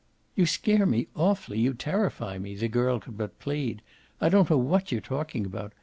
"You scare me awfully you terrify me," the girl could but plead. "I don't know what you're talking about.